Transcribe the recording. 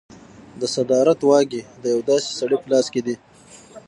د صدارت واګې د یو داسې سړي په لاس کې دي.